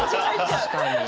確かに。